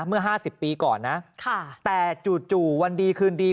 เมื่อ๕๐ปีก่อนนะแต่จู่วันดีคืนดี